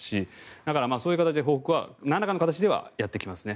だから、そういう形で報復はなんらかの形ではやってきますね。